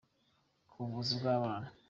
ku buvuzi bw'abana.